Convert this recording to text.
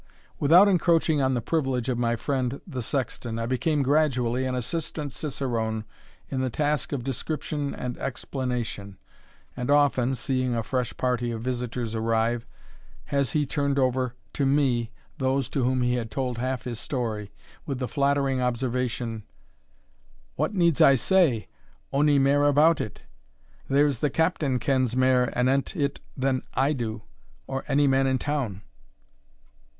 Without encroaching on the privilege of my friend the sexton, I became gradually an assistant Cicerone in the task of description and explanation, and often (seeing a fresh party of visiters arrive) has he turned over to me those to whom he had told half his story, with the flattering observation, "What needs I say ony mair about it? There's the Captain kens mair anent it than I do, or any man in the town."